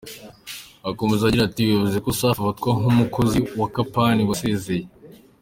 Akomeza agira ati “Bivuze ko safi afatwa nk’umukozi wa ‘kapani’ wasezeye.